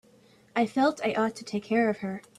I feel I ought to take care of her.